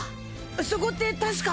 そこってたしか。